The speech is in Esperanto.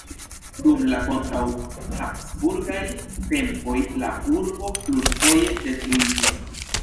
Dum la kontraŭ-Habsburgaj tempoj la urbo plurfoje detruiĝis.